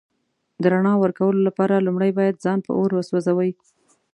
د رڼا ورکولو لپاره لومړی باید ځان په اور وسوځوئ.